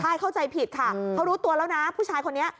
ใช่เข้าใจผิดค่ะเขารู้ตัวแล้วนะผู้ชายคนนี้